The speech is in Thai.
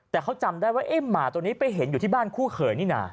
แต่เขาจำได้ว่าเอ๊ะหมาตัวนี้ไปเห็นอยู่ที่บ้านคู่เขยนี่นะ